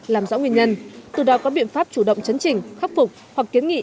làm rõ nguyên nhân từ đó có biện pháp chủ động chấn trình khắc phục hoặc kiến nghị